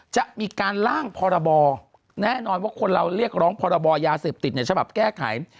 จะมีการล่างพรบแน่นอนว่าคนเราเรียกร้องพรบยาเสพติดในฉบับแก้ไข